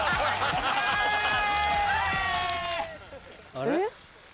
あれ？